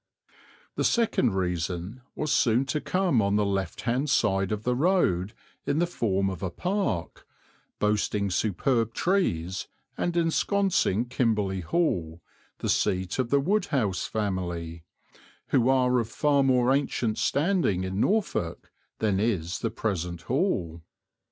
The second reason was soon to come on the left hand side of the road in the form of a park, boasting superb trees and ensconcing Kimberley Hall, the seat of the Wodehouse family, who are of far more ancient standing in Norfolk than is the present hall.